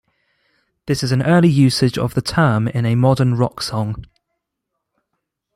This is an early usage of the term in a modern rock song.